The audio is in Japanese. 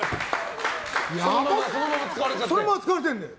そのまま使われてるんだよ。